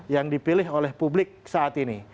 yang dipilih oleh publik saat ini